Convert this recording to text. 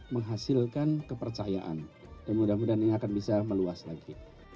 menghasilkan kepercayaan dan mudah mudahan ini akan bisa meluas lagi